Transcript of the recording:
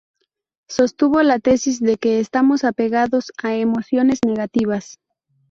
Sostuvo la tesis de que estamos apegados a emociones negativas.